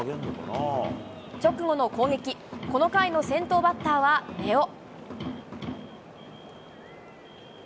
直後の攻撃、この回の先頭バッターは根尾。